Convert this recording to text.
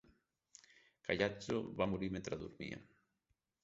Caiazzo va morir mentre dormia.